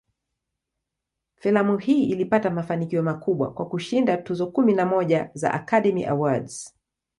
Filamu hii ilipata mafanikio makubwa, kwa kushinda tuzo kumi na moja za "Academy Awards".